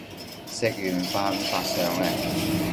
食完飯發上嚟